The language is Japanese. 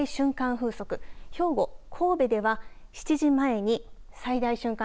風速兵庫、神戸では７時前に最大瞬間